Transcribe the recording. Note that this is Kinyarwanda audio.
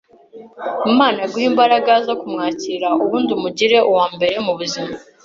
Imana iguhe imbaraga zo kumwakira ubundi umugire uwa mbere mu buzima